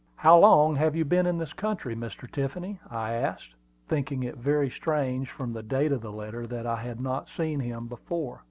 "How long have you been in this country, Mr. Tiffany?" I asked, thinking it very strange, from the date of the letter, that I had not seen him before.